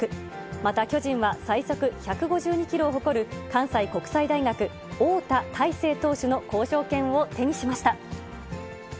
また巨人は、最速１５２キロを誇る、関西国際大学、翁田大勢投手の交渉権を手にしました。